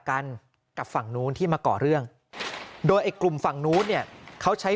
กันกับฝั่งนู้นที่มาก่อเรื่องโดยไอ้กลุ่มฝั่งนู้นเนี่ยเขาใช้